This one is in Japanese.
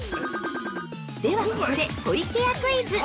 ◆ではここで、湖池屋クイズ！